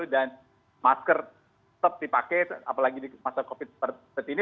dan masker tetap dipakai apalagi di masa covid sembilan belas seperti ini